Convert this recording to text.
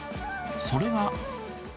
それが。